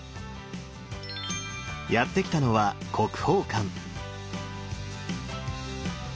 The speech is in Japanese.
やって来たのは国宝館。